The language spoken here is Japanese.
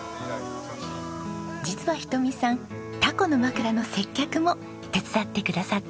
実はひとみさんタコのまくらの接客も手伝ってくださっているんです。